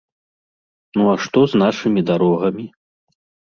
Ну а што з нашымі дарогамі?